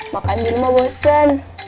makan di rumah bosen